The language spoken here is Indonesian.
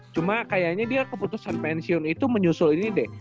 cuma kayaknya dia keputusan pensiun itu menyusul ini deh